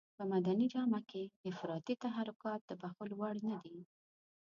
په مدني جامه کې افراطي تحرکات د بښلو وړ نه دي.